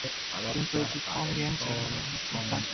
The team plays its home games at Fort William Stadium.